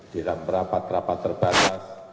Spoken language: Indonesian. dalam rapat rapat terbatas